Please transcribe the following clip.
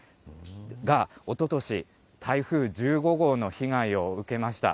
が、おととし、台風１５号の被害を受けました。